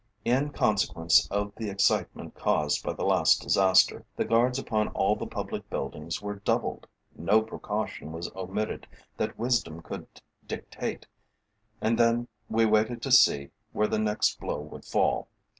In consequence of the excitement caused by the last disaster, the guards upon all the public buildings were doubled, no precaution was omitted that wisdom could dictate, and then we waited to see where the next blow would fall.